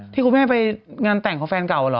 ที่คุณแม่ไปงานแต่งของแฟนเก่าเหรอ